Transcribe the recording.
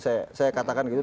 saya katakan gitu